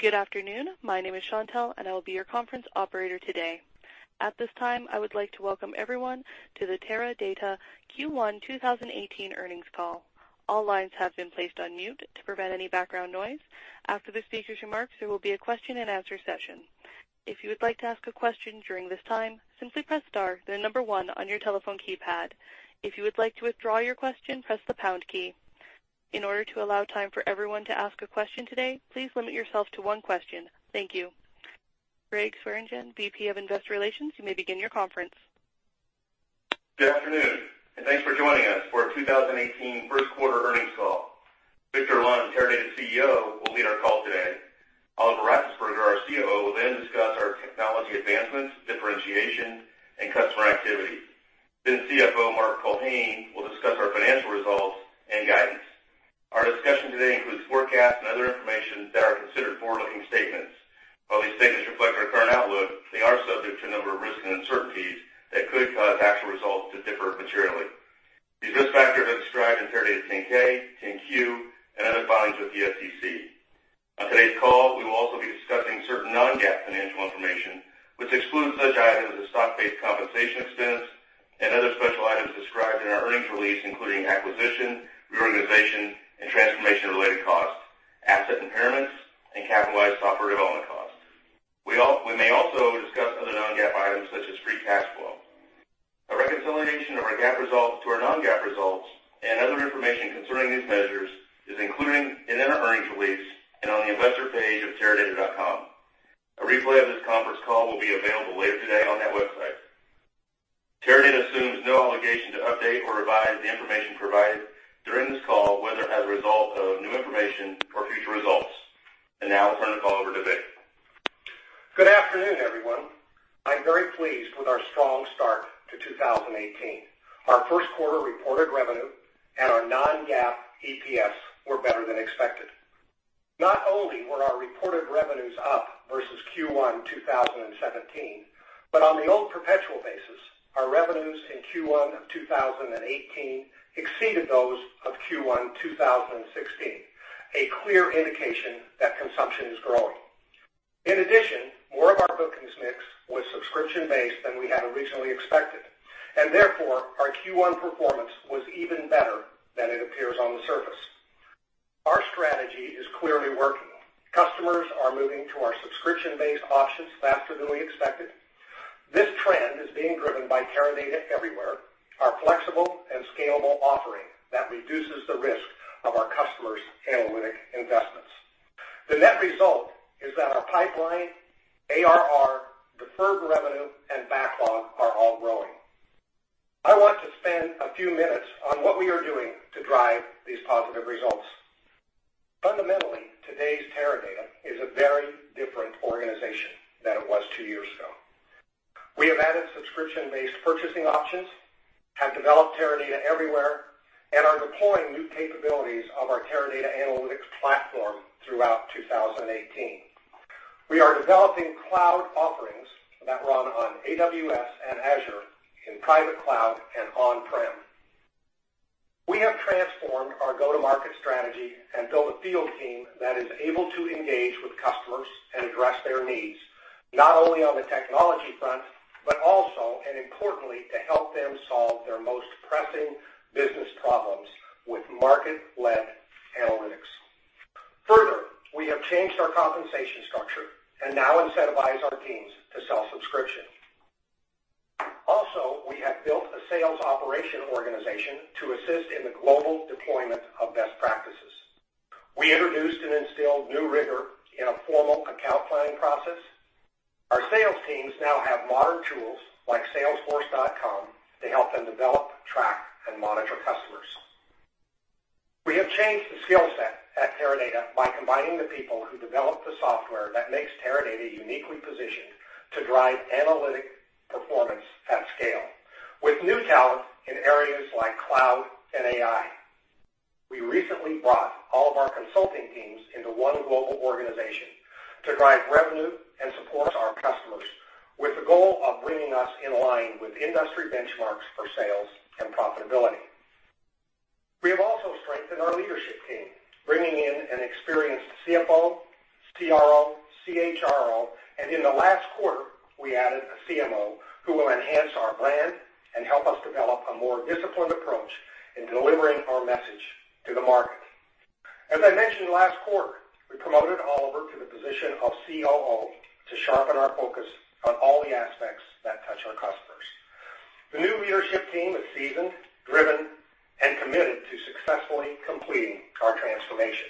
Good afternoon. My name is Chantelle, I will be your conference operator today. At this time, I would like to welcome everyone to the Teradata Q1 2018 earnings call. All lines have been placed on mute to prevent any background noise. After the speaker's remarks, there will be a question and answer session. If you would like to ask a question during this time, simply press star, then 1 on your telephone keypad. If you would like to withdraw your question, press the pound key. In order to allow time for everyone to ask a question today, please limit yourself to one question. Thank you. Gregg Swearingen, VP of Investor Relations, you may begin your conference. Good afternoon, thanks for joining us for our 2018 first quarter earnings call. Victor Lund, Teradata CEO, will lead our call today. Oliver Ratzesberger, our COO, will discuss our technology advancements, differentiation, and customer activity. CFO Mark Culhane will discuss our financial results and guidance. Our discussion today includes forecasts and other information that are considered forward-looking statements. While these statements reflect our current outlook, they are subject to a number of risks and uncertainties that could cause actual results to differ materially. These risk factors are described in Teradata's 10-K, 10-Q, and other filings with the SEC. On today's call, we will also be discussing certain non-GAAP financial information, which excludes such items as stock-based compensation expense and other special items described in our earnings release, including acquisition, reorganization, and transformation-related costs, asset impairments, and capitalized software development costs. We may also discuss other non-GAAP items such as free cash flow. A reconciliation of our GAAP results to our non-GAAP results and other information concerning these measures is included in our earnings release and on the investor page of teradata.com. A replay of this conference call will be available later today on that website. Teradata assumes no obligation to update or revise the information provided during this call, whether as a result of new information or future results. Now I'll turn the call over to Vic. Good afternoon, everyone. I'm very pleased with our strong start to 2018. Our first quarter reported revenue and our non-GAAP EPS were better than expected. Not only were our reported revenues up versus Q1 2017, on the old perpetual basis, our revenues in Q1 of 2018 exceeded those of Q1 2016, a clear indication that consumption is growing. In addition, more of our bookings mix was subscription-based than we had originally expected, therefore, our Q1 performance was even better than it appears on the surface. Our strategy is clearly working. Customers are moving to our subscription-based options faster than we expected. This trend is being driven by Teradata Everywhere, our flexible and scalable offering that reduces the risk of our customers' analytic investments. The net result is that our pipeline, ARR, deferred revenue, and backlog are all growing. I want to spend a few minutes on what we are doing to drive these positive results. Fundamentally, today's Teradata is a very different organization than it was two years ago. We have added subscription-based purchasing options, have developed Teradata Everywhere, and are deploying new capabilities of our Teradata Analytics Platform throughout 2018. We are developing cloud offerings that run on AWS and Azure in private cloud and on-prem. We have transformed our go-to-market strategy and built a field team that is able to engage with customers and address their needs, not only on the technology front, but also, importantly, to help them solve their most pressing business problems with market-led analytics. Further, we have changed our compensation structure and now incentivize our teams to sell subscriptions. Also, we have built a sales operation organization to assist in the global deployment of best practices. We introduced and instilled new rigor in a formal account planning process. Our sales teams now have modern tools like salesforce.com to help them develop, track, and monitor customers. We have changed the skill set at Teradata by combining the people who develop the software that makes Teradata uniquely positioned to drive analytic performance at scale with new talent in areas like cloud and AI. We recently brought all of our consulting teams into one global organization to drive revenue and support our customers, with the goal of bringing us in line with industry benchmarks for sales and profitability. We have also strengthened our leadership team, bringing in an experienced CFO, CRO, CHRO, and in the last quarter, we added a CMO who will enhance our brand and help us develop a more disciplined approach in delivering our message to the market. As I mentioned last quarter, we promoted Oliver to the position of COO to sharpen our focus on all the aspects that touch our customers. The new leadership team is seasoned, driven, and committed to successfully completing our transformation.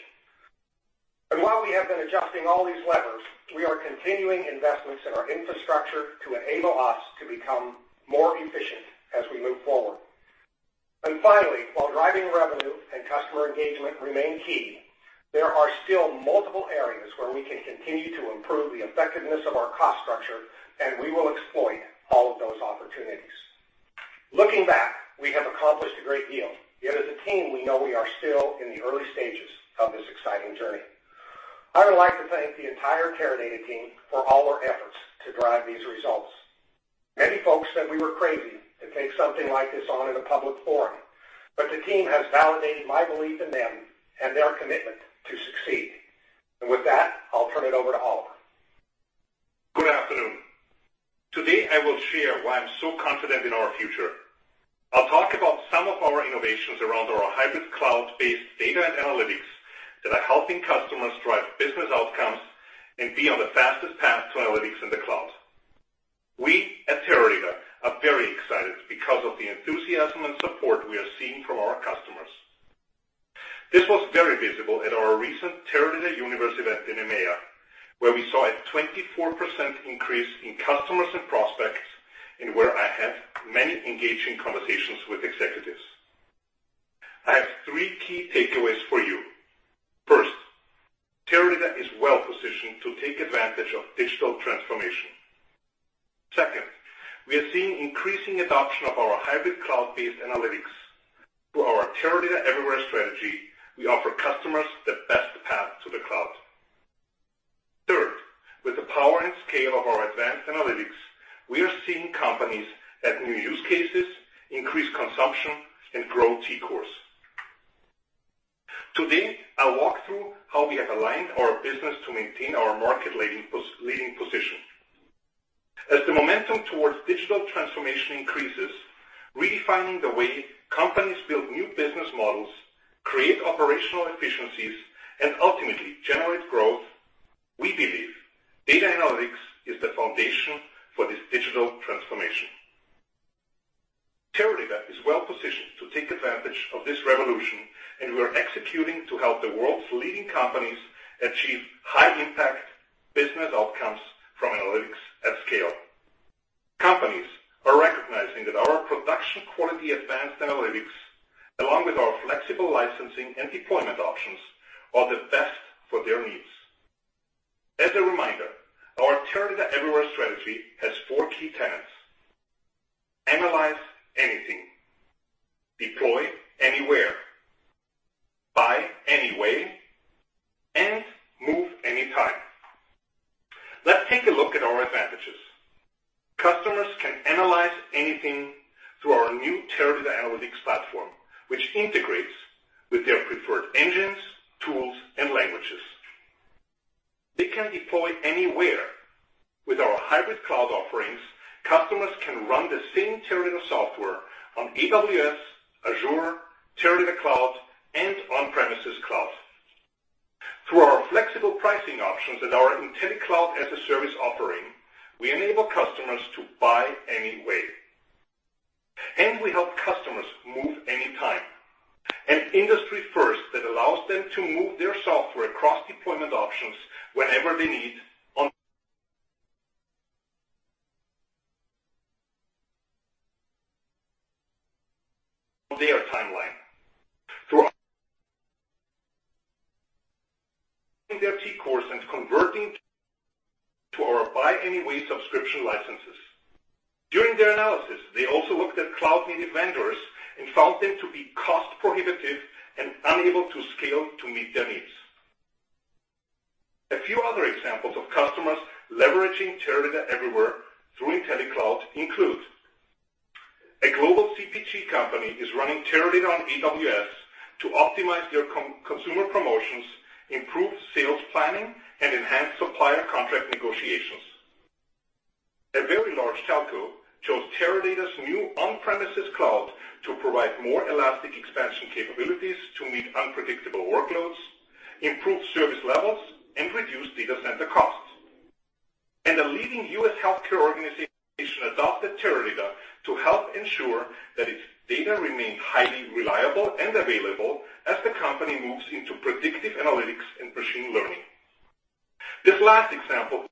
While we have been adjusting all these levers, we are continuing investments in our infrastructure to enable us to become more efficient as we move forward. Finally, while driving revenue and customer engagement remain key, there are still multiple areas where we can continue to improve the effectiveness of our cost structure, and we will exploit all of those opportunities. Looking back, we have accomplished a great deal, yet as a team, we know we are still in the early stages of this exciting journey. I would like to thank the entire Teradata team for all their efforts to drive these results. Many folks said we were crazy to take something like this on in a public forum, but the team has validated my belief in them and their commitment to succeed. With that, I'll turn it over to Oliver. Good afternoon. Today, I will share why I'm so confident in our future. I'll talk about some of our innovations around our hybrid cloud-based data and analytics that are helping customers drive business outcomes and be on the fastest path to analytics in the cloud. We at Teradata are very excited because of the enthusiasm and support we are seeing from our customers. This was very visible at our recent Teradata Universe event in EMEA, where we saw a 24% increase in customers and prospects, and where I had many engaging conversations with executives. I have three key takeaways for you. First, Teradata is well-positioned to take advantage of digital transformation. Second, we are seeing increasing adoption of our hybrid cloud-based analytics. Through our Teradata Everywhere strategy, we offer customers the best path to the cloud. Third, with the power and scale of our advanced analytics, we are seeing companies add new use cases, increase consumption, and grow TCORs. Today, I'll walk through how we have aligned our business to maintain our market-leading position. As the momentum towards digital transformation increases, redefining the way companies build new business models, create operational efficiencies, and ultimately generate growth, we believe data analytics is the foundation for this digital transformation. Teradata is well-positioned to take advantage of this revolution. We are executing to help the world's leading companies achieve high-impact business outcomes from analytics at scale. Companies are recognizing that our production quality advanced analytics, along with our flexible licensing and deployment options, are the best for their needs. As a reminder, our Teradata Everywhere strategy has four key tenets. Analyze anything, deploy anywhere, buy any way, and move any time. Let's take a look at our advantages. Customers can analyze anything through our new Teradata Analytics Platform, which integrates with their preferred engines, tools, and languages. They can deploy anywhere. With our hybrid cloud offerings, customers can run the same Teradata software on AWS, Azure, Teradata Cloud, and on-premises cloud. Through our flexible pricing options and our IntelliCloud as a service offering, we enable customers to buy any way. We help customers move any time. An industry first that allows them to move their software across deployment options whenever they need on their timeline. Through their TCORs and converting to our buy any way subscription licenses. During their analysis, they also looked at cloud-native vendors and found them to be cost-prohibitive and unable to scale to meet their needs. A few other examples of customers leveraging Teradata Everywhere through IntelliCloud include, a global CPG company is running Teradata on AWS to optimize their consumer promotions, improve sales planning, and enhance supplier contract negotiations. A very large telco chose Teradata's new on-premises cloud to provide more elastic expansion capabilities to meet unpredictable workloads, improve service levels, and reduce data center costs. A leading U.S. healthcare organization adopted Teradata to help ensure that its data remains highly reliable and available as the company moves into predictive analytics and machine learning. This last example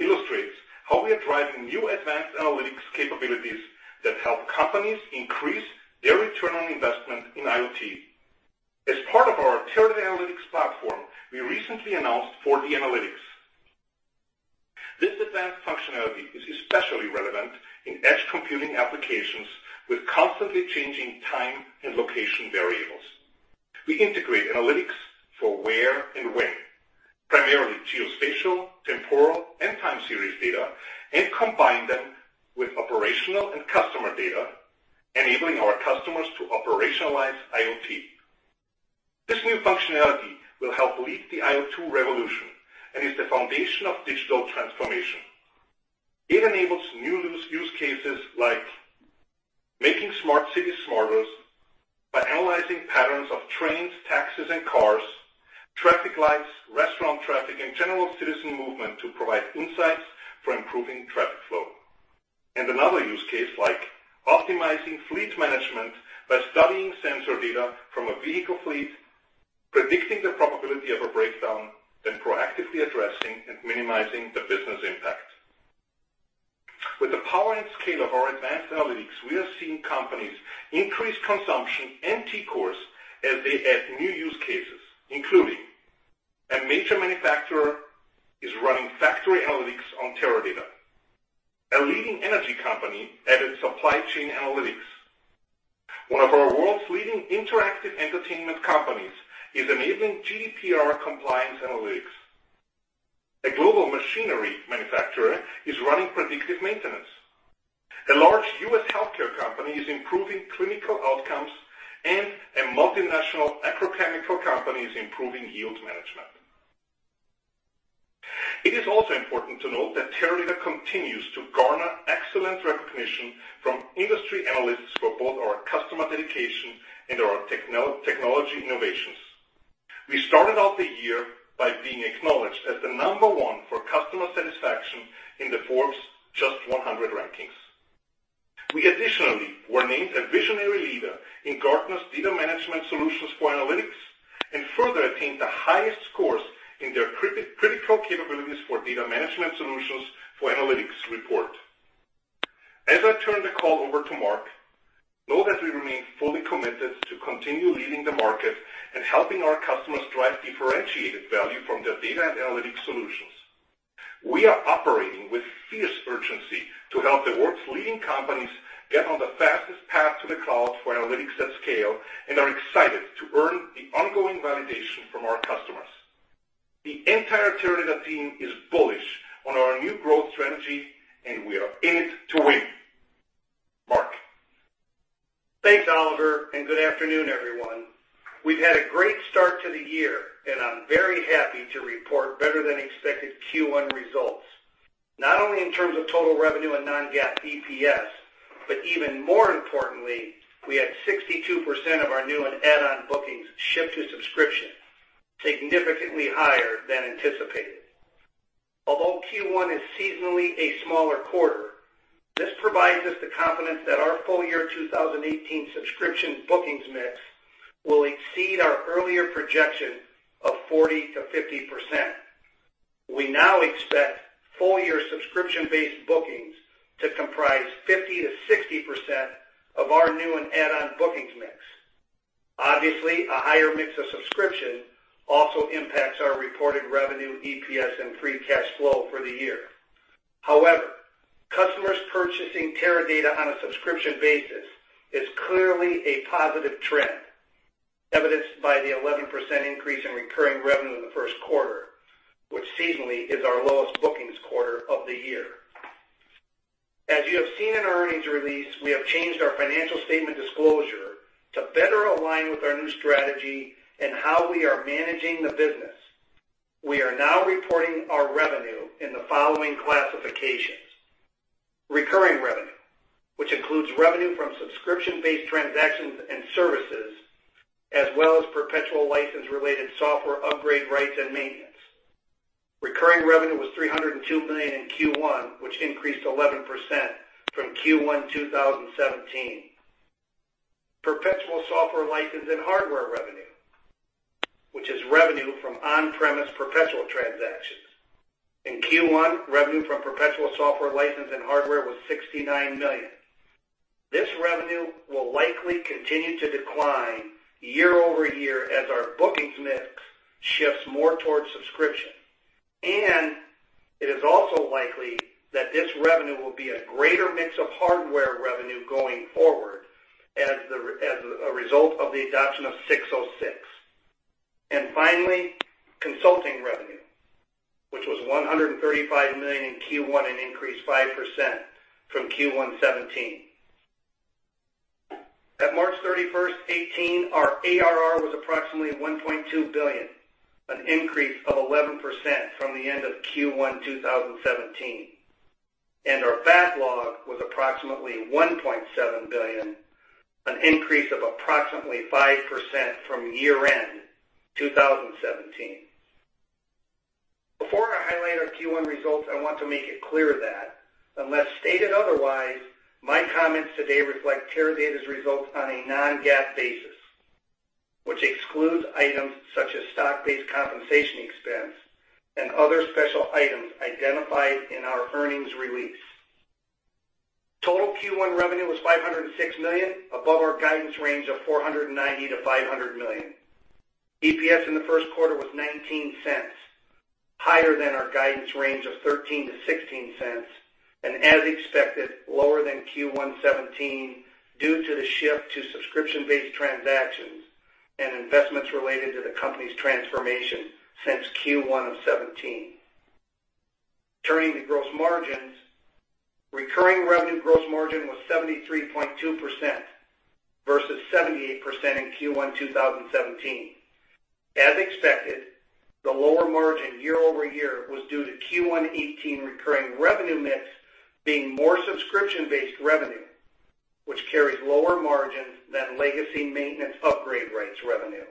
illustrates how we are driving new advanced analytics capabilities that help companies increase their return on investment in IoT. As part of our Teradata Analytics Platform, we recently announced 4D Analytics. This advanced functionality is especially relevant in edge computing applications with constantly changing time and location variables. We integrate analytics for where and when, primarily geospatial, temporal, and time series data, and combine them with operational and customer data, enabling our customers to operationalize IoT. This new functionality will help lead the IoT revolution and is the foundation of digital transformation. It enables new use cases like making smart cities smarter by analyzing patterns of trains, taxis and cars, traffic lights, restaurant traffic, and general citizen movement to provide insights for improving traffic flow. Another use case like optimizing fleet management by studying sensor data from a vehicle fleet, predicting the probability of a breakdown, then proactively addressing and minimizing the business impact. With the power and scale of our advanced analytics, we are seeing companies increase consumption and TCORs as they add new use cases, including a major manufacturer is running factory analytics on Teradata. A leading energy company added supply chain analytics. One of our world's leading interactive entertainment companies is enabling GDPR compliance analytics. A global machinery manufacturer is running predictive maintenance. A large U.S. healthcare company is improving clinical outcomes. A multinational agrochemical company is improving yield management. It is also important to note that Teradata continues to garner excellent recognition from industry analysts for both our customer dedication and our technology innovations. We started out the year by being acknowledged as the number one for customer satisfaction in the Forbes JUST 100 rankings. We additionally were named a visionary leader in Gartner's Data Management Solutions for Analytics, and further attained the highest scores in their Critical Capabilities for Data Management Solutions for Analytics report. As I turn the call over to Mark, know that we remain fully committed to continue leading the market and helping our customers drive differentiated value from their data and analytics solutions. We are operating with fierce urgency to help the world's leading companies get on the fastest path to the cloud for analytics at scale. Are excited to earn the ongoing validation from our customers. The entire Teradata team is bullish on our new growth strategy. We are in it to win. Mark. Thanks, Oliver, and good afternoon, everyone. We've had a great start to the year, and I'm very happy to report better than expected Q1 results, not only in terms of total revenue and non-GAAP EPS, even more importantly, we had 62% of our new and add-on bookings shift to subscription, significantly higher than anticipated. Although Q1 is seasonally a smaller quarter, this provides us the confidence that our full year 2018 subscription bookings mix will exceed our earlier projection of 40%-50%. We now expect full year subscription-based bookings to comprise 50%-60% of our new and add-on bookings mix. Obviously, a higher mix of subscription also impacts our reported revenue, EPS, and free cash flow for the year. customers purchasing Teradata on a subscription basis is clearly a positive trend, evidenced by the 11% increase in recurring revenue in the first quarter, which seasonally is our lowest bookings quarter of the year. As you have seen in our earnings release, we have changed our financial statement disclosure to better align with our new strategy and how we are managing the business. We are now reporting our revenue in the following classifications. Recurring revenue, which includes revenue from subscription-based transactions and services, as well as perpetual license related software upgrade rights and maintenance. Recurring revenue was $302 million in Q1, which increased 11% from Q1 2017. Perpetual software license and hardware revenue, which is revenue from on-premise perpetual transactions. In Q1, revenue from perpetual software license and hardware was $69 million. This revenue will likely continue to decline year-over-year as our bookings mix shifts more towards subscription. It is also likely that this revenue will be a greater mix of hardware revenue going forward as a result of the adoption of 606. Finally, consulting revenue, which was $135 million in Q1 and increased 5% from Q1 2017. At March 31, 2018, our ARR was approximately $1.2 billion, an increase of 11% from the end of Q1 2017. Our backlog was approximately $1.7 billion, an increase of approximately 5% from year-end 2017. Before I highlight our Q1 results, I want to make it clear that unless stated otherwise, my comments today reflect Teradata's results on a non-GAAP basis, which excludes items such as stock-based compensation expense and other special items identified in our earnings release. Total Q1 revenue was $506 million, above our guidance range of $490 million-$500 million. EPS in the first quarter was $0.19, higher than our guidance range of $0.13-$0.16, and as expected, lower than Q1 2017 due to the shift to subscription-based transactions and investments related to the company's transformation since Q1 2017. Turning to gross margins, recurring revenue gross margin was 73.2% versus 78% in Q1 2017. As expected, the lower margin year-over-year was due to Q1 2018 recurring revenue mix being more subscription-based revenue, which carries lower margins than legacy maintenance upgrade rights revenue.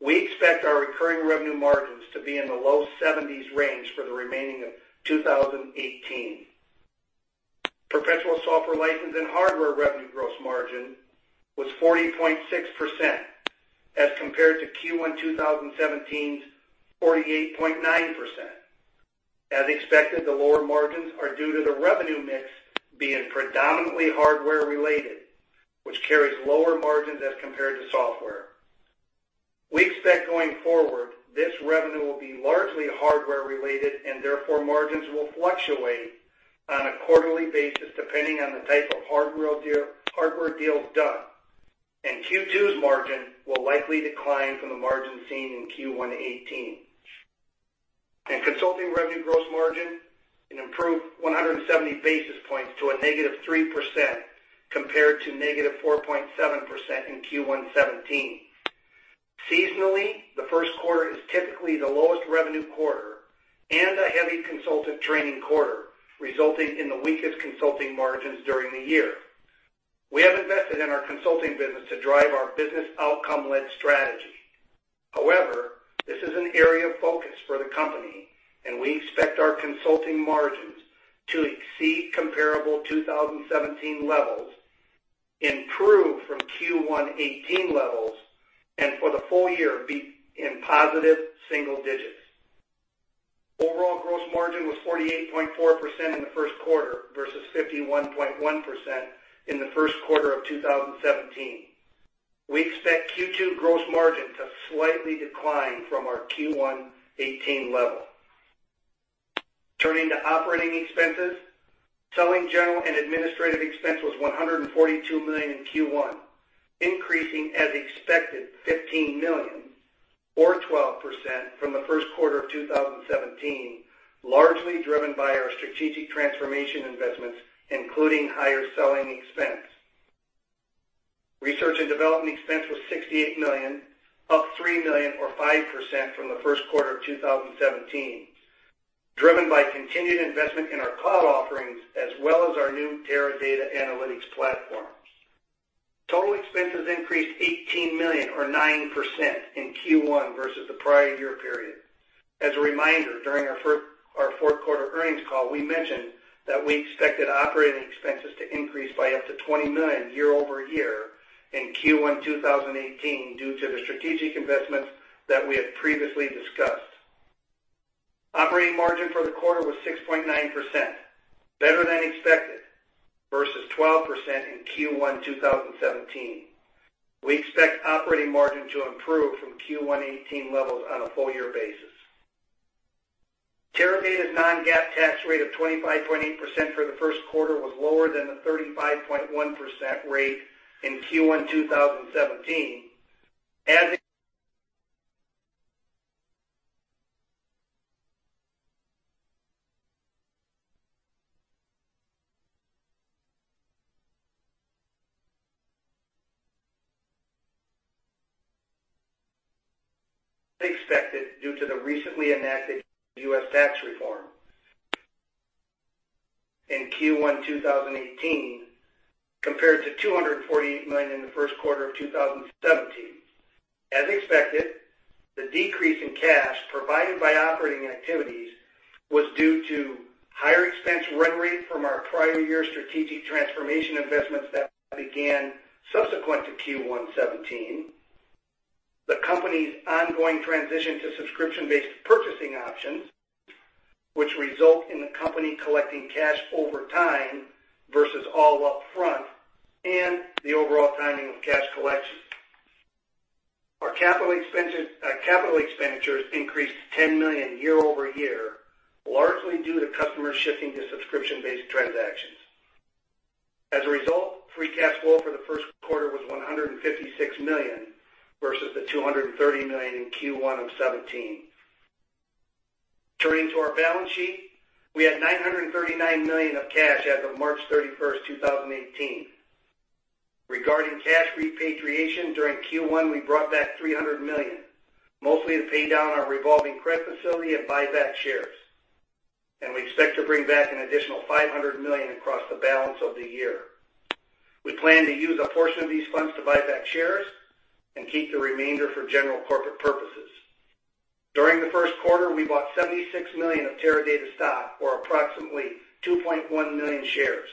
We expect our recurring revenue margins to be in the low 70s range for the remaining of 2018. Perpetual software license and hardware revenue gross margin was 40.6% as compared to Q1 2017's 48.9%. As expected, the lower margins are due to the revenue mix being predominantly hardware related, which carries lower margins as compared to software. We expect going forward, this revenue will be largely hardware related, and therefore margins will fluctuate on a quarterly basis depending on the type of hardware deals done. Q2's margin will likely decline from the margin seen in Q1 2018. In consulting revenue gross margin, it improved 170 basis points to a negative 3% compared to negative 4.7% in Q1 2017. Seasonally, the first quarter is typically the lowest revenue quarter and a heavy consultant training quarter, resulting in the weakest consulting margins during the year. We have invested in our consulting business to drive our business outcome-led strategy. This is an area of focus for the company, and we expect our consulting margins to exceed comparable 2017 levels, improve from Q1 2018 levels, and for the full year, be in positive single digits. Overall gross margin was 48.4% in the first quarter versus 51.1% in the first quarter of 2017. We expect Q2 gross margin to slightly decline from our Q1 2018 level. Turning to operating expenses, selling general and administrative expense was $142 million in Q1, increasing as expected, $15 million or 12% from the first quarter of 2017, largely driven by our strategic transformation investments, including higher selling expense. Research and development expense was $68 million, up $3 million or 5% from the first quarter of 2017, driven by continued investment in our cloud offerings as well as our new Teradata Analytics Platform. Total expenses increased $18 million or 9% in Q1 versus the prior year period. As a reminder, during our fourth quarter earnings call, we mentioned that we expected operating expenses to increase by up to $20 million year-over-year in Q1 2018 due to the strategic investments that we have previously discussed. Operating margin for the quarter was 6.9%, better than expected, versus 12% in Q1 2017. We expect operating margin to improve from Q1 2018 levels on a full year basis. Teradata's non-GAAP tax rate of 25.8% for the first quarter was lower than the 35.1% rate in Q1 2017. As [inaudible] expected due to the recently enacted U.S. tax reform in Q1 2018 compared to $248 million in the first quarter of 2017. As expected, the decrease in cash provided by operating activities was due to higher expense run rate from our prior year strategic transformation investments that began subsequent to Q1 2017, the company's ongoing transition to subscription-based purchasing options, which result in the company collecting cash over time versus all upfront, and the overall timing of cash collection. Our capital expenditures increased $10 million year-over-year, largely due to customers shifting to subscription-based transactions. As a result, free cash flow for the first quarter was $156 million versus the $230 million in Q1 of 2017. Turning to our balance sheet, we had $939 million of cash as of March 31, 2018. Regarding cash repatriation, during Q1, we brought back $300 million, mostly to pay down our revolving credit facility and buy back shares. We expect to bring back an additional $500 million across the balance of the year. We plan to use a portion of these funds to buy back shares and keep the remainder for general corporate purposes. During the first quarter, we bought $76 million of Teradata stock, or approximately 2.1 million shares.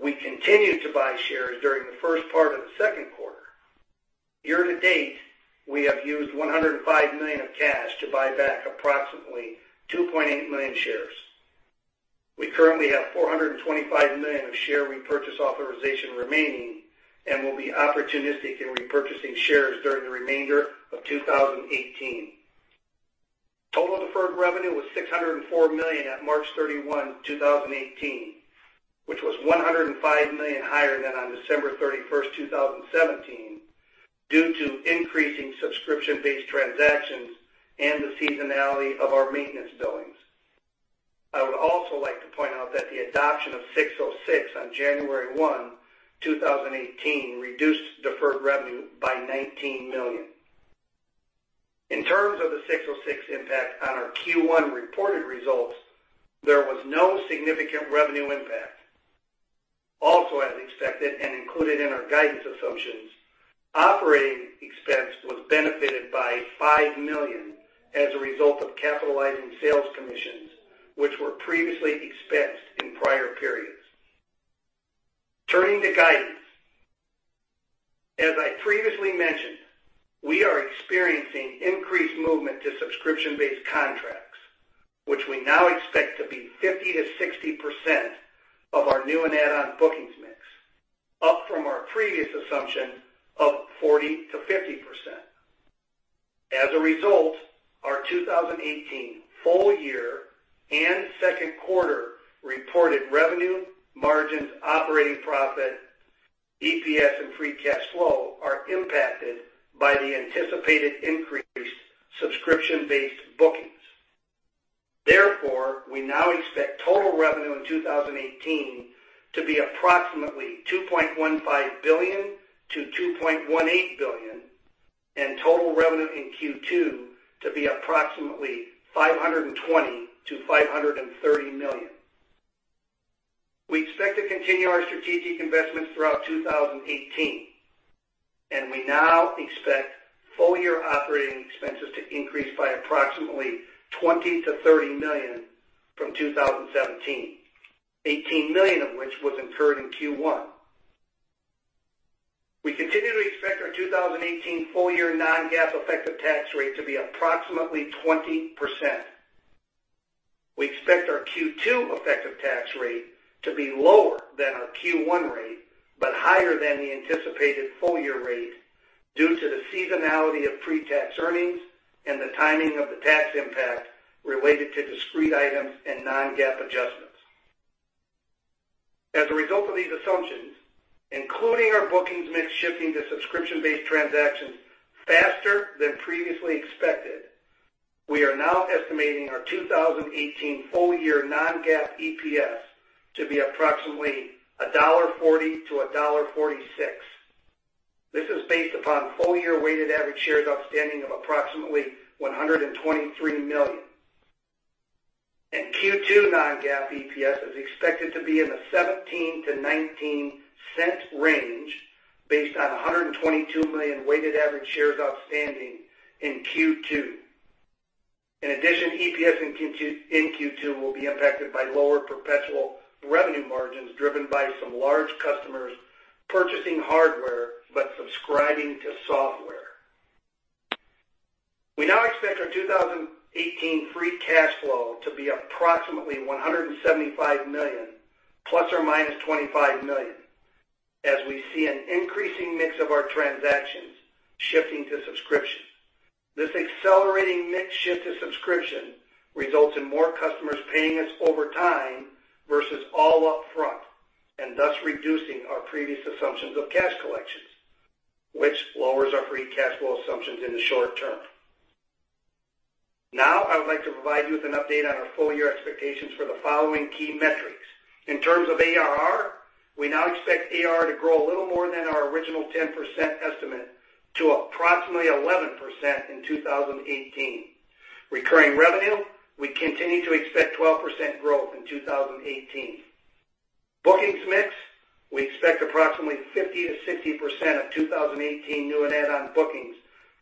We continued to buy shares during the first part of the second quarter. Year-to-date, we have used $105 million of cash to buy back approximately 2.8 million shares. We currently have $425 million of share repurchase authorization remaining and will be opportunistic in repurchasing shares during the remainder of 2018. Total deferred revenue was $604 million at March 31, 2018, which was $105 million higher than on December 31, 2017, due to increasing subscription-based transactions and the seasonality of our maintenance billings. I would also like to point out that the adoption of 606 on January 1, 2018, reduced deferred revenue by $19 million. In terms of the 606 impact on our Q1 reported results, there was no significant revenue impact. As expected and included in our guidance assumptions, operating expense was benefited by $5 million as a result of capitalizing sales commissions, which were previously expensed in prior periods. Turning to guidance. As I previously mentioned, we are experiencing increased movement to subscription-based contracts, which we now expect to be 50%-60% of our new and add-on bookings mix Up from our previous assumption of 40%-50%. As a result, our 2018 full year and second quarter reported revenue margins, operating profit, EPS, and free cash flow are impacted by the anticipated increased subscription-based bookings. We now expect total revenue in 2018 to be approximately $2.15 billion-$2.18 billion, and total revenue in Q2 to be approximately $520 million-$530 million. We expect to continue our strategic investments throughout 2018. We now expect full-year operating expenses to increase by approximately $20 million-$30 million from 2017, $18 million of which was incurred in Q1. We continue to expect our 2018 full year non-GAAP effective tax rate to be approximately 20%. We expect our Q2 effective tax rate to be lower than our Q1 rate, but higher than the anticipated full-year rate due to the seasonality of pre-tax earnings and the timing of the tax impact related to discrete items and non-GAAP adjustments. As a result of these assumptions, including our bookings mix shifting to subscription-based transactions faster than previously expected, we are now estimating our 2018 full year non-GAAP EPS to be approximately $1.40-$1.46. This is based upon full year weighted average shares outstanding of approximately 123 million. Q2 non-GAAP EPS is expected to be in the $0.17-$0.19 range based on 122 million weighted average shares outstanding in Q2. In addition, EPS in Q2 will be impacted by lower perpetual revenue margins driven by some large customers purchasing hardware but subscribing to software. We now expect our 2018 free cash flow to be approximately $175 million ± $25 million, as we see an increasing mix of our transactions shifting to subscription. This accelerating mix shift to subscription results in more customers paying us over time versus all up front, thus reducing our previous assumptions of cash collections, which lowers our free cash flow assumptions in the short term. I would like to provide you with an update on our full-year expectations for the following key metrics. In terms of ARR, we now expect ARR to grow a little more than our original 10% estimate to approximately 11% in 2018. Recurring revenue, we continue to expect 12% growth in 2018. Bookings mix, we expect approximately 50%-60% of 2018 new and add-on bookings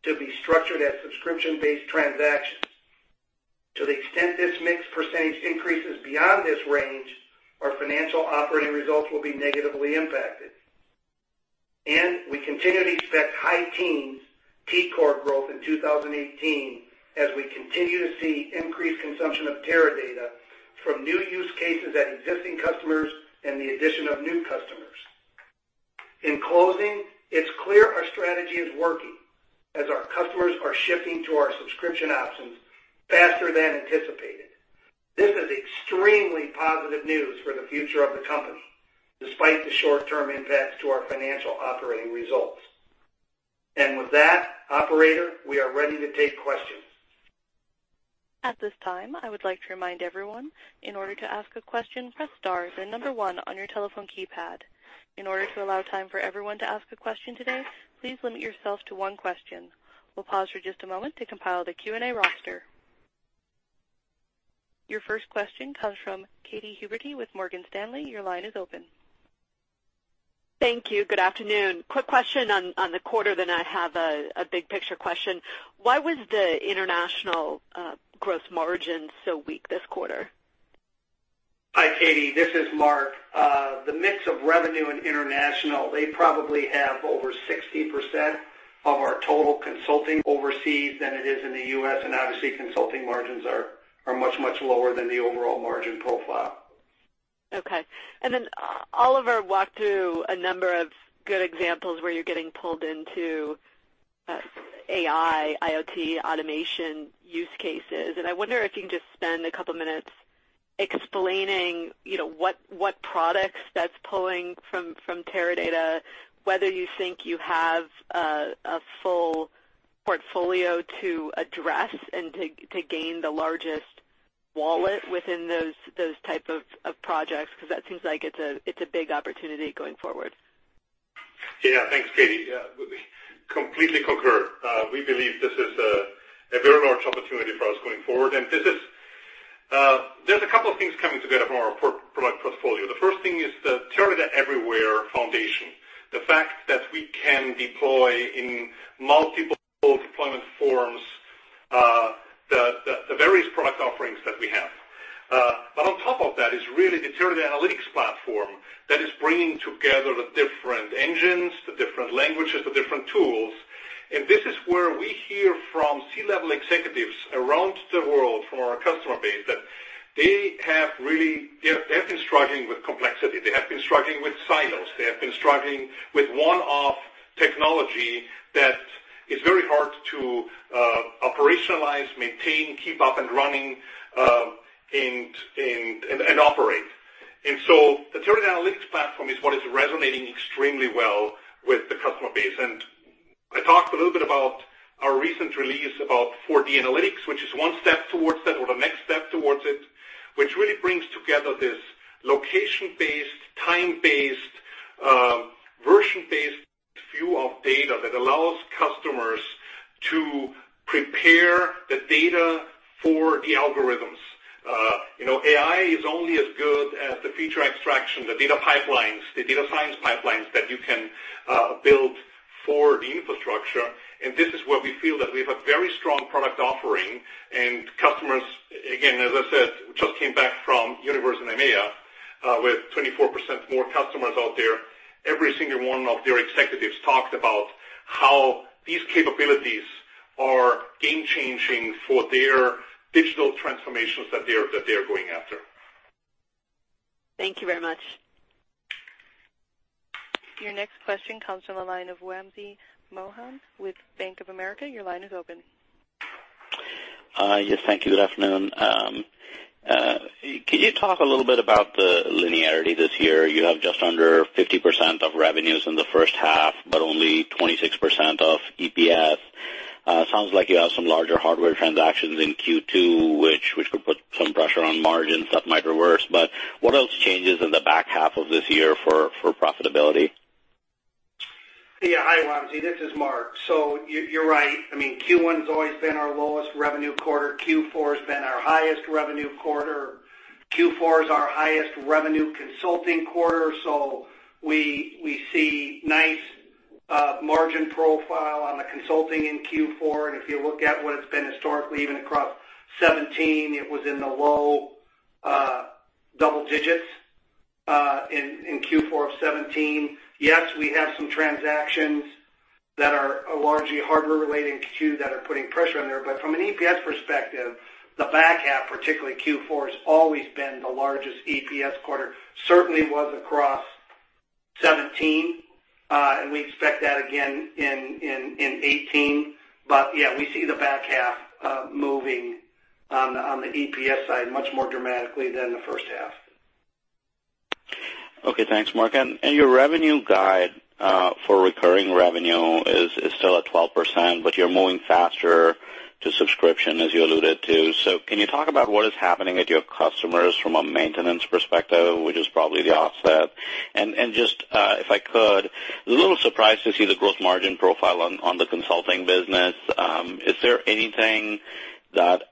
to be structured as subscription-based transactions. To the extent this mix percentage increases beyond this range, our financial operating results will be negatively impacted. We continue to expect high teens TCOR growth in 2018 as we continue to see increased consumption of Teradata from new use cases at existing customers and the addition of new customers. In closing, it's clear our strategy is working as our customers are shifting to our subscription options faster than anticipated. This is extremely positive news for the future of the company, despite the short-term impacts to our financial operating results. With that, operator, we are ready to take questions. At this time, I would like to remind everyone, in order to ask a question, press star, then 1 on your telephone keypad. In order to allow time for everyone to ask a question today, please limit yourself to one question. We will pause for just a moment to compile the Q&A roster. Your first question comes from Katy Huberty with Morgan Stanley. Your line is open. Thank you. Good afternoon. Quick question on the quarter, then I have a big picture question. Why was the international gross margin so weak this quarter? Hi, Katy. This is Mark. The mix of revenue and international, they probably have over 60% of our total consulting overseas than it is in the U.S., obviously, consulting margins are much, much lower than the overall margin profile. Okay. Oliver walked through a number of good examples where you're getting pulled into AI, IoT, automation use cases, and I wonder if you can just spend a couple of minutes explaining what products that's pulling from Teradata, whether you think you have a full portfolio to address and to gain the largest wallet within those type of projects, because that seems like it's a big opportunity going forward. Thanks, Katy. Completely concur. We believe this is a very large opportunity for us going forward, there's a couple of things coming together from our product portfolio. The first thing is the Teradata Everywhere foundation. The fact that we can deploy in multiple deployment forms, the various product offerings that we have. On top of that is really the Teradata Analytics Platform that is bringing together the different engines, the different languages, the different tools. This is where we hear from C-level executives around the world from our customer base that they have been struggling with complexity. They have been struggling with silos. They have been struggling with one-off technology that is very hard to operationalize, maintain, keep up and running, and operate. The Teradata Analytics Platform is what is resonating extremely well with the customer base. I talked a little bit about our recent release about 4D Analytics, which is one step towards that, or the next step towards it, which really brings together this location-based, time-based, version-based view of data that allows customers to prepare the data for the algorithms. AI is only as good as the feature extraction, the data pipelines, the data science pipelines that you can build for the infrastructure. This is where we feel that we have a very strong product offering, customers, again, as I said, just came back from Universe in EMEA, with 24% more customers out there. Every single one of their executives talked about how these capabilities are game-changing for their digital transformations that they're going after. Thank you very much. Your next question comes from the line of Wamsi Mohan with Bank of America. Your line is open. Yes, thank you. Good afternoon. Can you talk a little bit about the linearity this year? You have just under 50% of revenues in the first half, but only 26% of EPS. Sounds like you have some larger hardware transactions in Q2, which could put some pressure on margins that might reverse. What else changes in the back half of this year for profitability? Hi, Wamsi. This is Mark. You're right. Q1 has always been our lowest revenue quarter. Q4 has been our highest revenue quarter. Q4 is our highest revenue consulting quarter. We see nice margin profile on the consulting in Q4. If you look at what it's been historically, even across 2017, it was in the low double digits in Q4 of 2017. Yes, we have some transactions that are largely hardware related in Q2 that are putting pressure on there. From an EPS perspective, the back half, particularly Q4, has always been the largest EPS quarter. Certainly was across 2017, and we expect that again in 2018. We see the back half moving on the EPS side much more dramatically than the first half. Okay. Thanks, Mark. Your revenue guide for recurring revenue is still at 12%, you're moving faster to subscription, as you alluded to. Can you talk about what is happening with your customers from a maintenance perspective, which is probably the offset? Just, if I could, a little surprised to see the growth margin profile on the consulting business. Is there anything that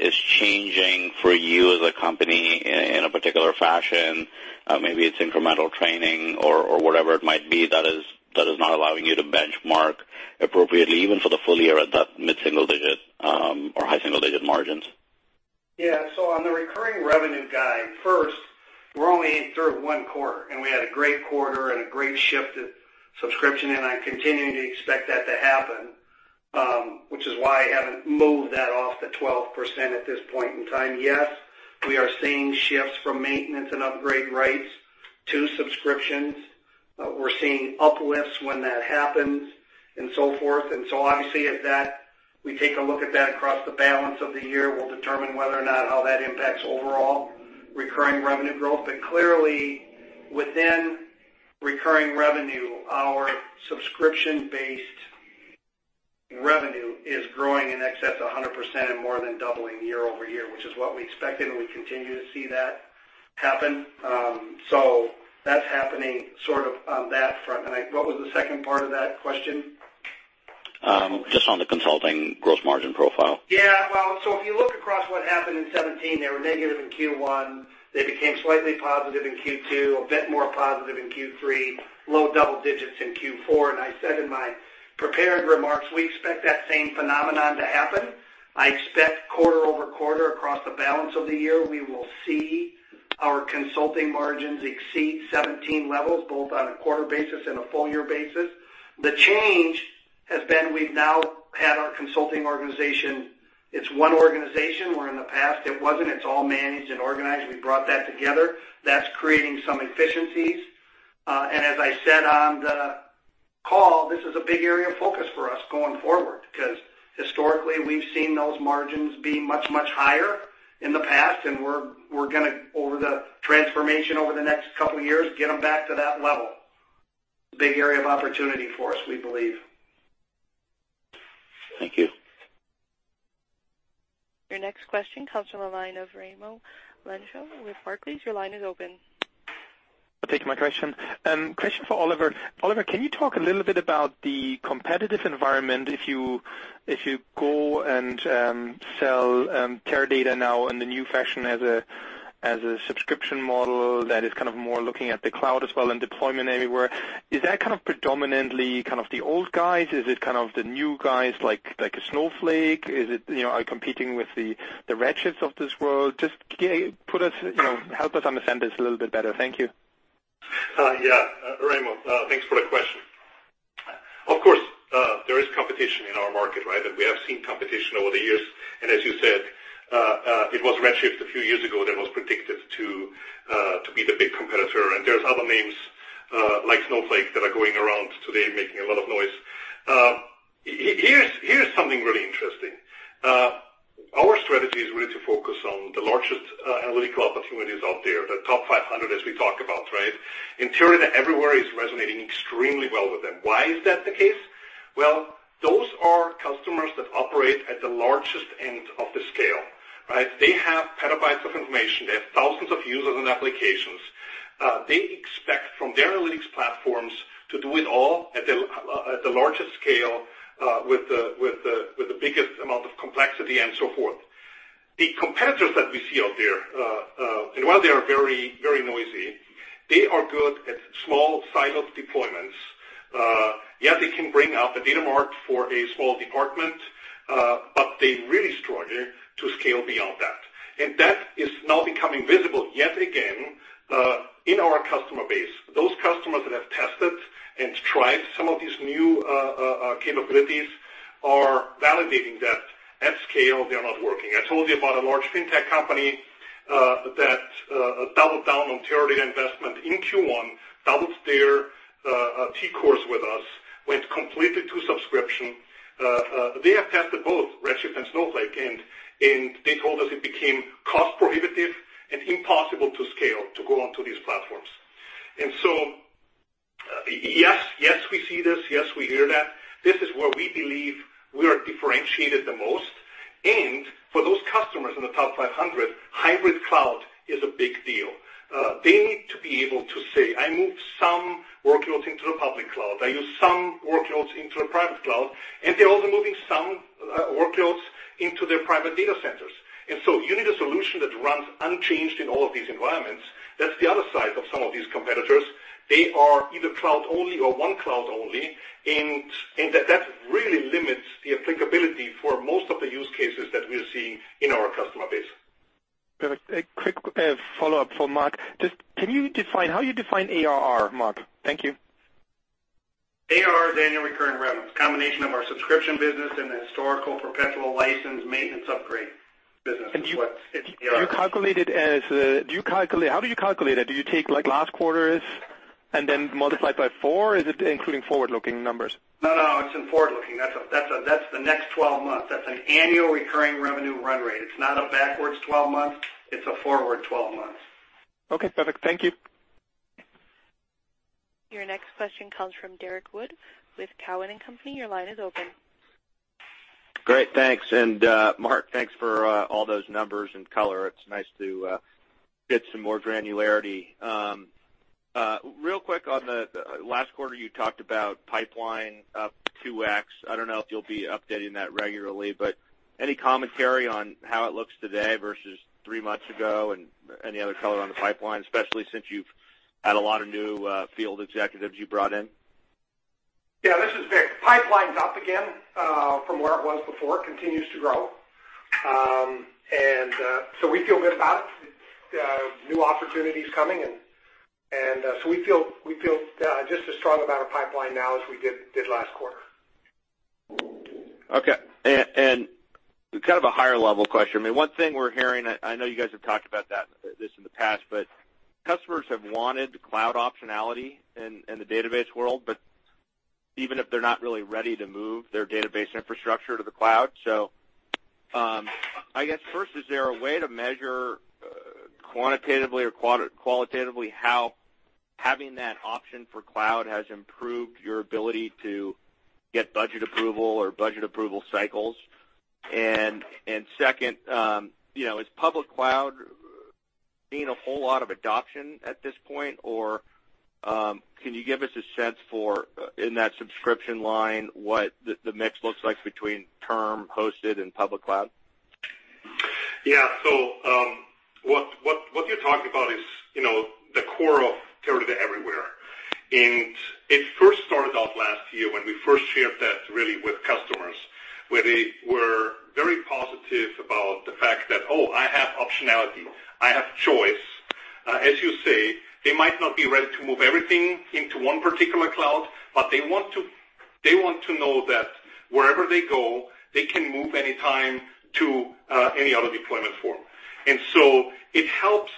is changing for you as a company in a particular fashion? Maybe it's incremental training or whatever it might be that is not allowing you to benchmark appropriately, even for the full year at that mid-single digit or high single-digit margins. On the recurring revenue guide, first, we're only in through one quarter, and we had a great quarter and a great shift to subscription, and I continue to expect that to happen, which is why I haven't moved that off the 12% at this point in time. Yes, we are seeing shifts from maintenance and upgrade rights to subscriptions. We're seeing uplifts when that happens and so forth. Obviously as that, we take a look at that across the balance of the year. We'll determine whether or not how that impacts overall recurring revenue growth. Clearly, within recurring revenue, our subscription-based revenue is growing in excess of 100% and more than doubling year-over-year, which is what we expected, and we continue to see that happen. That's happening sort of on that front. What was the second part of that question? Just on the consulting gross margin profile. Yeah. Well, if you look across what happened in '17, they were negative in Q1. They became slightly positive in Q2, a bit more positive in Q3, low double digits in Q4. I said in my prepared remarks, we expect that same phenomenon to happen. I expect quarter-over-quarter across the balance of the year, we will see our consulting margins exceed '17 levels, both on a quarter basis and a full-year basis. The change has been we've now had our consulting organization. It's one organization, where in the past it wasn't. It's all managed and organized. We brought that together. That's creating some efficiencies. As I said on the call, this is a big area of focus for us going forward because historically, we've seen those margins be much, much higher in the past. We're going to, over the transformation over the next couple of years, get them back to that level. Big area of opportunity for us, we believe. Thank you. Your next question comes from the line of Raimo Lenschow with Barclays. Your line is open. Thank you. My question for Oliver. Oliver, can you talk a little bit about the competitive environment? If you go and sell Teradata now in the new fashion as a subscription model that is more looking at the cloud as well and deployment anywhere, is that predominantly the old guys? Is it the new guys like a Snowflake? Are you competing with the Redshift of this world? Just help us understand this a little bit better. Thank you. Yeah. Raimo, thanks for the question. Of course, there is competition in our market, right? We have seen competition over the years. As you said, it was Redshift a few years ago that was predicted to be the big competitor. There's other names like Snowflake that are going around today making a lot of noise. Here's something really interesting. Our strategy is really to focus on the largest analytical opportunities out there, the top 500 as we talk about, right? In theory, that Everywhere is resonating extremely well with them. Why is that the case? Well, those are customers that operate at the largest end of the scale, right? They have petabytes of information. They have thousands of users and applications. They expect from their analytics platforms to do it all at the largest scale with the biggest amount of complexity and so forth. The competitors that we see out there, while they are very noisy, they are good at small silos deployments. Yes, they can bring out the data mart for a small department, but they really struggle to scale beyond that. That is now becoming visible yet again, in our customer base. Those customers that have tested and tried some of these new capabilities are validating that at scale, they are not working. I told you about a large fintech company that doubled down on Teradata investment in Q1, doubled their TCORs with us, went completely to subscription. They have tested both Redshift and Snowflake, they told us it became cost prohibitive and impossible to scale to go onto these platforms. Yes, we see this. Yes, we hear that. This is where we believe we are differentiated the most. For those customers in the top 500, hybrid cloud is a big deal. They need to be able to say, "I move some workloads into the public cloud. I use some workloads into the private cloud," they're also moving some workloads into their private data centers. You need a solution that runs unchanged in all of these environments. That's the other side of some of these competitors. They are either cloud only or one cloud only, that really limits the applicability for most of the use cases that we're seeing in our customer base. Perfect. A quick follow-up for Mark. Just can you define how you define ARR, Mark? Thank you. ARR is annual recurring revenues, combination of our subscription business and the historical perpetual license maintenance upgrade business is what's ARR. How do you calculate it? Do you take last quarters and then multiply it by four? Is it including forward-looking numbers? No, no, it's in forward-looking. That's the next 12 months. That's an annual recurring revenue run rate. It's not a backwards 12 months. It's a forward 12 months. Okay, perfect. Thank you. Your next question comes from Derrick Wood with Cowen and Company. Your line is open. Great. Thanks. Mark, thanks for all those numbers and color. It's nice to get some more granularity. Real quick, on the last quarter, you talked about pipeline up 2x. I don't know if you'll be updating that regularly, but any commentary on how it looks today versus three months ago and any other color on the pipeline, especially since you've had a lot of new field executives you brought in? Yeah. This is Vic. Pipeline's up again from where it was before. Continues to grow. We feel good about it. New opportunities coming in, we feel just as strong about our pipeline now as we did last quarter. Okay. Kind of a higher level question. One thing we're hearing, I know you guys have talked about this in the past, customers have wanted cloud optionality in the database world, even if they're not really ready to move their database infrastructure to the cloud. I guess first, is there a way to measure quantitatively or qualitatively how having that option for cloud has improved your ability to get budget approval or budget approval cycles? Second, is public cloud seeing a whole lot of adoption at this point, or can you give us a sense for, in that subscription line, what the mix looks like between term hosted and public cloud? Yeah. What you're talking about is the core of Teradata Everywhere. It first started off last year when we first shared that really with customers, where they were very positive about the fact that, "Oh, I have optionality. I have choice." As you say, they might not be ready to move everything into one particular cloud, they want to know that wherever they go, they can move anytime to any other deployment form. It helps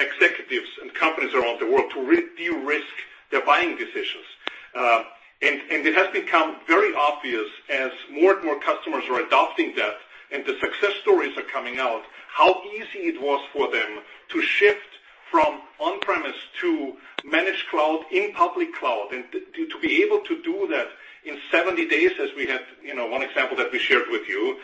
executives and companies around the world to de-risk their buying decisions. It has become very obvious as more and more customers are adopting that and the success stories are coming out, how easy it was for them to shift from on-premise to managed cloud in public cloud, and to be able to do that in 70 days as we have one example that we shared with you,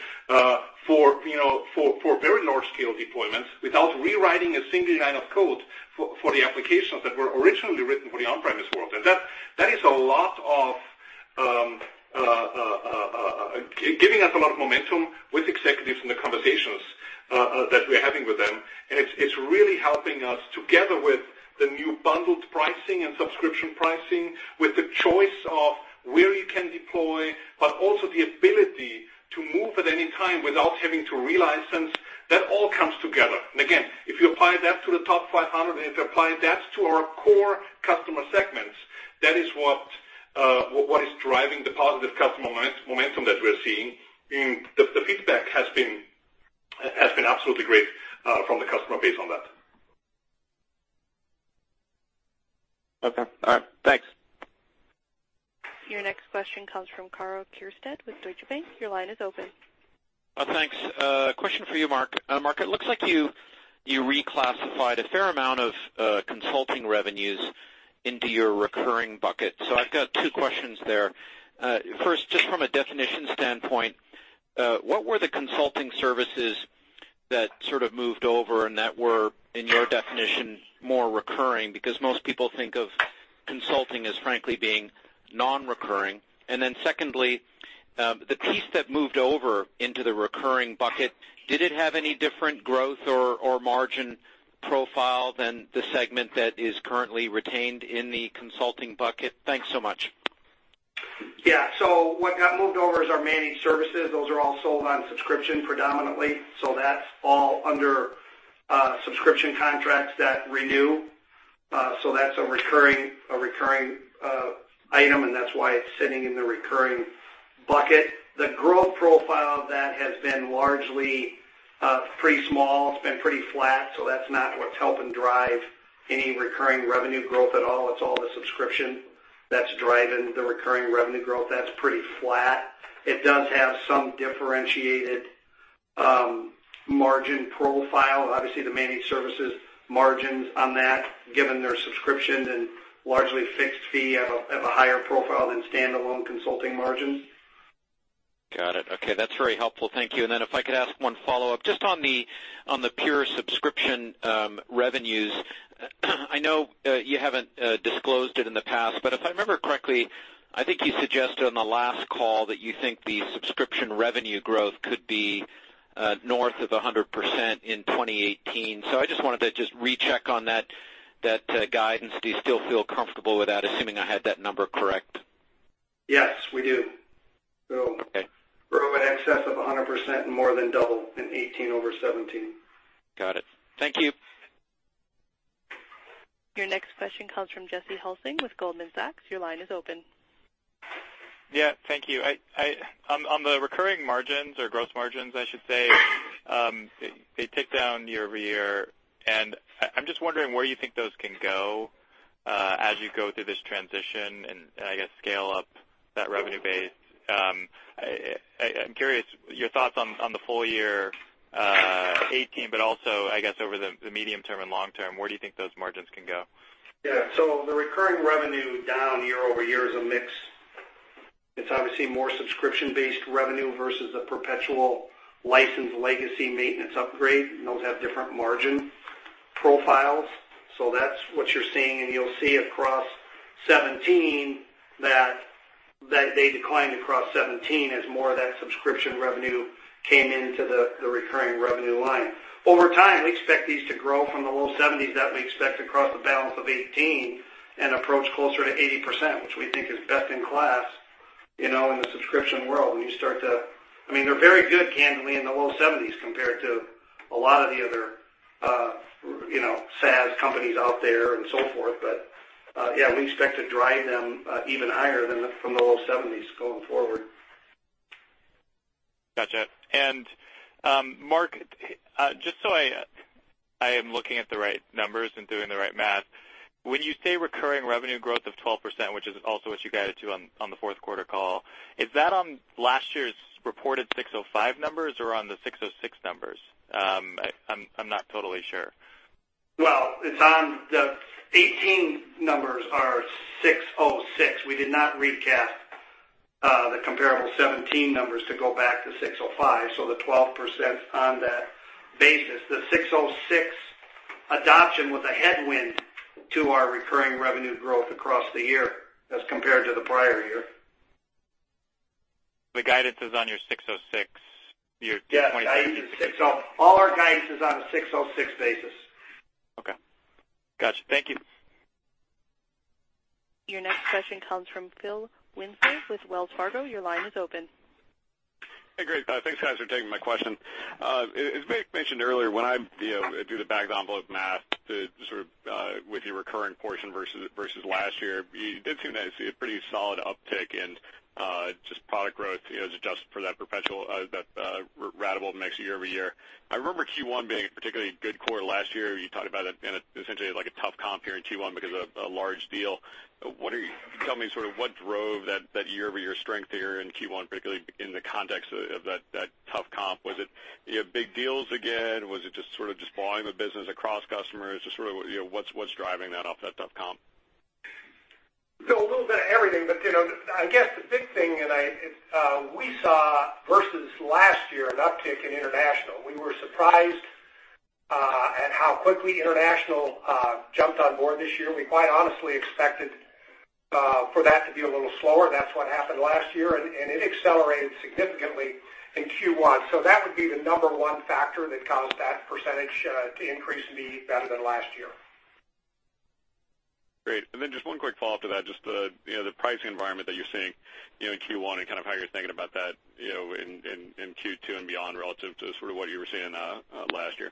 for very large scale deployments without rewriting a single line of code for the applications that were originally written for the on-premise world. That is giving us a lot of momentum with executives in the conversations that we're having with them, and it's really helping us together with the new bundled pricing and subscription pricing, with the choice of where you can deploy, but also the ability to move at any time without having to re-license. That all comes together. Again, if you apply that to the top 500 and if you apply that to our core customer segments, that is what- What is driving the positive customer momentum that we're seeing, the feedback has been absolutely great from the customer base on that. Okay. All right. Thanks. Your next question comes from Karl Keirstead with Deutsche Bank. Your line is open. Thanks. Question for you, Mark. Mark, it looks like you reclassified a fair amount of consulting revenues into your recurring bucket. I've got two questions there. First, just from a definition standpoint, what were the consulting services that sort of moved over and that were, in your definition, more recurring? Because most people think of consulting as frankly being non-recurring. Secondly, the piece that moved over into the recurring bucket, did it have any different growth or margin profile than the segment that is currently retained in the consulting bucket? Thanks so much. Yeah. What got moved over is our managed services. Those are all sold on subscription predominantly, that's all under subscription contracts that renew. That's a recurring item, and that's why it's sitting in the recurring bucket. The growth profile of that has been largely pretty small. It's been pretty flat, that's not what's helping drive any recurring revenue growth at all. It's all the subscription that's driving the recurring revenue growth. That's pretty flat. It does have some differentiated margin profile. Obviously, the managed services margins on that, given their subscription and largely fixed fee, have a higher profile than standalone consulting margins. Got it. Okay. That's very helpful. Thank you. If I could ask one follow-up, just on the pure subscription revenues. I know you haven't disclosed it in the past, but if I remember correctly, I think you suggested on the last call that you think the subscription revenue growth could be north of 100% in 2018. I just wanted to just recheck on that guidance. Do you still feel comfortable with that, assuming I had that number correct? Yes, we do. Okay. Grow in excess of 100% and more than double in 2018 over 2017. Got it. Thank you. Your next question comes from Jesse Hulsing with Goldman Sachs. Your line is open. Thank you. On the recurring margins or gross margins, I should say, they tick down year-over-year. I'm just wondering where you think those can go, as you go through this transition and, I guess, scale up that revenue base. I'm curious, your thoughts on the full year 2018, also, I guess, over the medium term and long term, where do you think those margins can go? Yeah. The recurring revenue down year-over-year is a mix. It's obviously more subscription-based revenue versus the perpetual license legacy maintenance upgrade, those have different margin profiles. That's what you're seeing, you'll see across 2017 that they declined across 2017 as more of that subscription revenue came into the recurring revenue line. Over time, we expect these to grow from the low 70s that we expect across the balance of 2018 and approach closer to 80%, which we think is best in class, in the subscription world. They're very good, candidly, in the low 70s compared to a lot of the other SaaS companies out there and so forth. Yeah, we expect to drive them even higher than from the low 70s going forward. Gotcha. Mark, just so I am looking at the right numbers and doing the right math. When you say recurring revenue growth of 12%, which is also what you guided to on the fourth quarter call, is that on last year's reported 605 numbers or on the 606 numbers? I'm not totally sure. Well, the 2018 numbers are 606. We did not recast the comparable 2017 numbers to go back to 605. The 12% on that basis, the 606 adoption was a headwind to our recurring revenue growth across the year as compared to the prior year. The guidance is on your 606. Yeah. All our guidance is on a 606 basis. Okay. Got you. Thank you. Your next question comes from Phil Winslow with Wells Fargo. Your line is open. Hey, great. Thanks, guys, for taking my question. As Vic mentioned earlier, when I do the back of the envelope math to sort of, with your recurring portion versus last year, it did seem that I see a pretty solid uptick in just product growth as adjusted for that ratable mix year-over-year. I remember Q1 being a particularly good quarter last year. You talked about it and essentially like a tough comp here in Q1 because of a large deal. Can you tell me what drove that year-over-year strength here in Q1, particularly in the context of that tough comp? Was it big deals again? Was it just sort of just volume of business across customers? Just sort of what's driving that off that tough comp? A little bit of everything, I guess the big thing, we saw versus last year an uptick in international. We were surprised at how quickly international jumped on board this year. We quite honestly expected for that to be a little slower. That's what happened last year, and it accelerated significantly in Q1. That would be the number one factor that caused that percentage to increase and be better than last year. Great. Just one quick follow-up to that, just the pricing environment that you're seeing in Q1 and kind of how you're thinking about that in Q2 and beyond relative to sort of what you were seeing last year.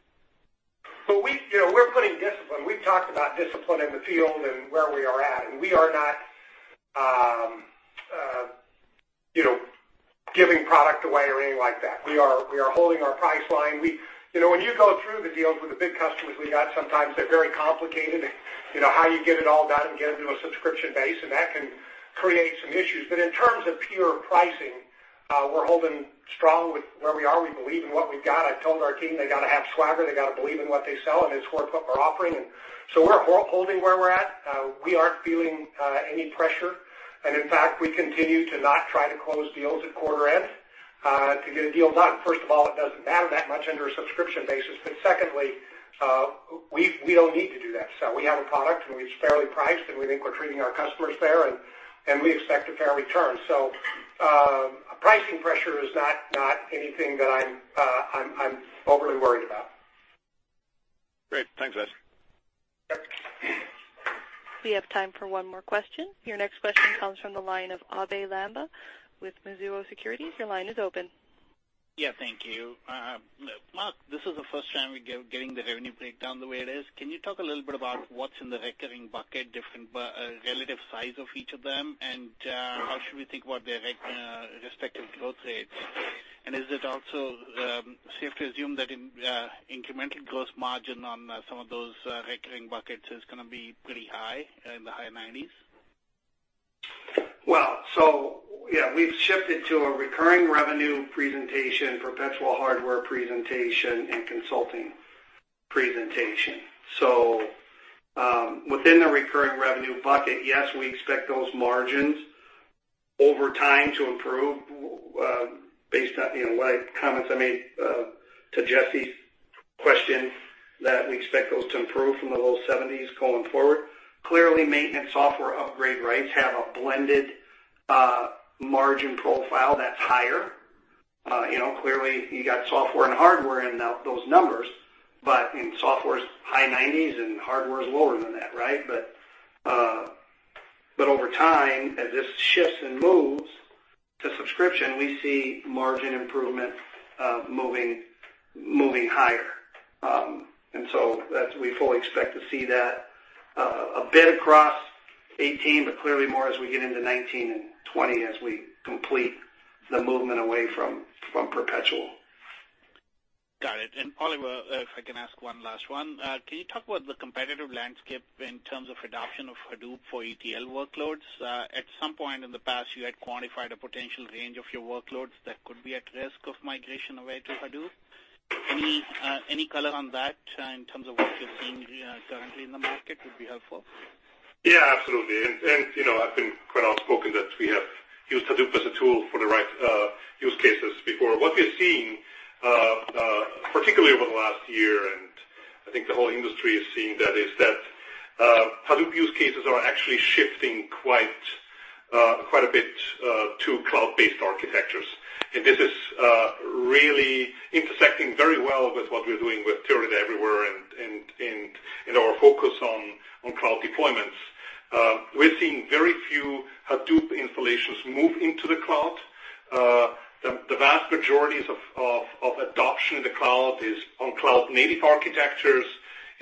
We're putting discipline. We've talked about discipline in the field and where we are at, and we are not giving product away or anything like that. We are holding our price line. When you go through the deals with the big customers we got, sometimes they're very complicated, how you get it all done and get it into a subscription base, and that can create some issues. In terms of pure pricing, we're holding strong with where we are. We believe in what we've got. I've told our team they got to have swagger, they got to believe in what they sell, and it's worth what we're offering. We're holding where we're at. We aren't feeling any pressure. In fact, we continue to not try to close deals at quarter end to get a deal done. First of all, it doesn't matter that much under a subscription basis. Secondly, we don't need to do that. We have a product and it's fairly priced, and we think we're treating our customers fair, and we expect a fair return. Pricing pressure is not anything that I'm overly worried about. Great. Thanks, [Jesse]. Yep. We have time for one more question. Your next question comes from the line of Abhey Lamba with Mizuho Securities. Your line is open. Yeah, thank you. Mark, this is the first time we're getting the revenue breakdown the way it is. Can you talk a little bit about what's in the recurring bucket, different relative size of each of them, and how should we think about their respective growth rates? Is it also safe to assume that incremental gross margin on some of those recurring buckets is going to be pretty high, in the high 90s? Yeah, we've shifted to a recurring revenue presentation, perpetual hardware presentation, and consulting presentation. Within the recurring revenue bucket, yes, we expect those margins over time to improve, based on the comments I made to Jesse's question, that we expect those to improve from the low 70s going forward. Clearly, maintenance software upgrade rights have a blended margin profile that's higher. Clearly, you got software and hardware in those numbers, but software's high 90s and hardware is lower than that. Over time, as this shifts and moves to subscription, we see margin improvement moving higher. We fully expect to see that a bit across 2018, but clearly more as we get into 2019 and 2020 as we complete the movement away from perpetual. Got it. Oliver, if I can ask one last one. Can you talk about the competitive landscape in terms of adoption of Hadoop for ETL workloads? At some point in the past, you had quantified a potential range of your workloads that could be at risk of migration away to Hadoop. Any color on that in terms of what you're seeing currently in the market would be helpful. Yeah, absolutely. I've been quite outspoken that we have used Hadoop as a tool for the right use cases before. What we're seeing, particularly over the last year, and I think the whole industry is seeing that, is that Hadoop use cases are actually shifting quite a bit to cloud-based architectures. This is really intersecting very well with what we're doing with Teradata Everywhere and our focus on cloud deployments. We're seeing very few Hadoop installations move into the cloud. The vast majorities of adoption in the cloud is on cloud-native architectures,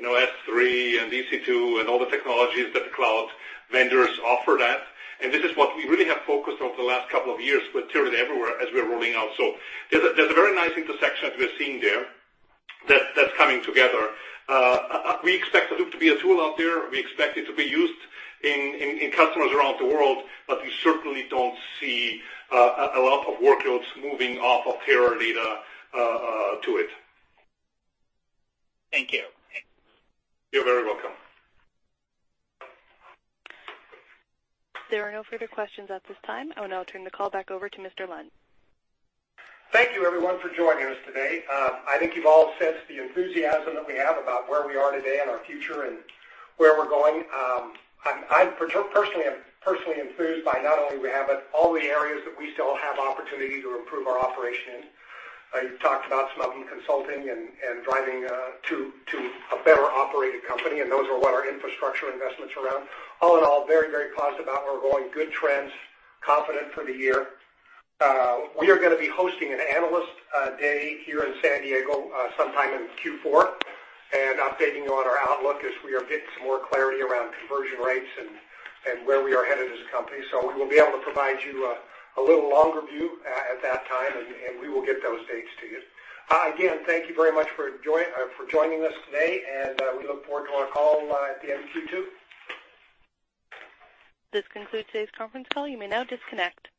S3 and EC2 and all the technologies that the cloud vendors offer that. This is what we really have focused over the last couple of years with Teradata Everywhere as we're rolling out. There's a very nice intersection that we're seeing there that's coming together. We expect Hadoop to be a tool out there. We expect it to be used in customers around the world, we certainly don't see a lot of workloads moving off of Teradata to it. Thank you. You're very welcome. There are no further questions at this time. I will now turn the call back over to Mr. Lund. Thank you everyone for joining us today. I think you've all sensed the enthusiasm that we have about where we are today and our future and where we're going. I'm personally enthused by not only we have all the areas that we still have opportunity to improve our operation in. I've talked about some of them, consulting and driving to a better-operated company, and those are what our infrastructure investments around. All in all, very, very positive about where we're going. Good trends, confident for the year. We are going to be hosting an analyst day here in San Diego sometime in Q4 and updating you on our outlook as we are getting some more clarity around conversion rates and where we are headed as a company. We will be able to provide you a little longer view at that time, and we will get those dates to you. Again, thank you very much for joining us today, and we look forward to our call at the end of Q2. This concludes today's conference call. You may now disconnect.